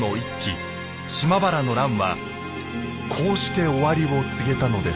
島原の乱はこうして終わりを告げたのです。